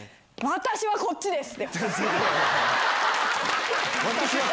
私はこっちです。